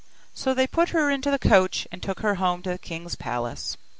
So they put her into the coach, and took her home to the king's palace.